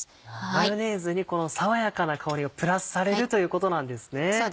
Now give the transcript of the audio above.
マヨネーズに爽やかな香りがプラスされるということなんですね。